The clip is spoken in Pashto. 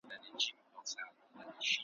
ته عالِم یې که حاکم یې غرور پریږده